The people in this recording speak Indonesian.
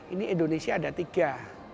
ini indonesia ada tiga